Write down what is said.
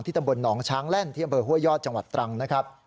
ตำบลหนองช้างแล่นที่อำเภอห้วยยอดจังหวัดตรังนะครับ